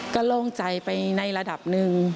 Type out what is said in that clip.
ก็โล่งใจไปในระดับหนึ่ง